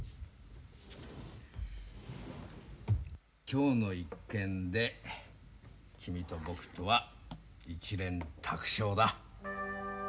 今日の一件で君と僕とは一蓮托生だ。